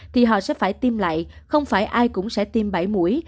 thì họ sẽ phải tiêm lại không phải ai cũng sẽ tiêm bảy mũi